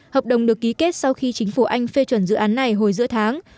hợp đồng được ký kết sau khi chính phủ anh phê chuẩn dự án này hồi giữa tháng